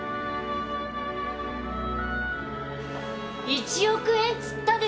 １億円って言ったでしょ！